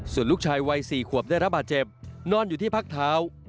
ส่วนลูกชายวัย๔ขวบได้รับบาดเจ็บนอนอยู่ที่พักเท้า